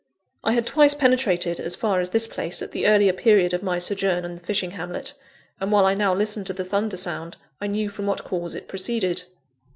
I had twice penetrated as far as this place, at the earlier period of my sojourn in the fishing hamlet, and while I now listened to the thunder sound, I knew from what cause it proceeded.